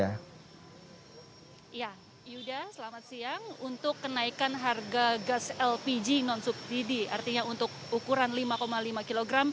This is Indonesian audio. ya yuda selamat siang untuk kenaikan harga gas lpg non subsidi artinya untuk ukuran lima lima kg